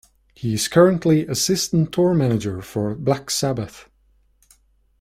He is currently Assistant Tour Manager for Black Sabbath.